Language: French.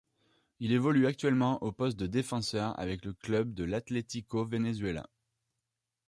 Il évolue actuellement au poste de défenseur avec le club de l'Atlético Venezuela.